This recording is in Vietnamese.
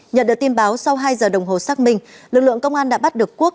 nhận được tin báo sau hai giờ đồng hồ xác minh lực lượng công an đã bắt được quốc